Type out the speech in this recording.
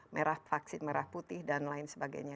merah vaksin merah putih dan lain sebagainya